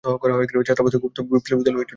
ছাত্রাবস্থায় গুপ্ত বিপ্লবী দলে যোগ দেন।